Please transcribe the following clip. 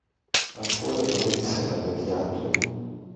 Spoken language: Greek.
αφού ευλόγησε τα παιδιά του